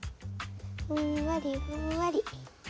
ふんわりふんわり。